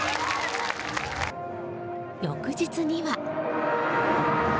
翌日には。